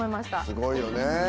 すごいよね。